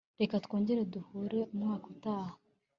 reka twongere duhure umwaka utaha